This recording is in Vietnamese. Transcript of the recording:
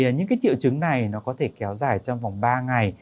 những triệu chứng này có thể kéo dài trong vòng ba ngày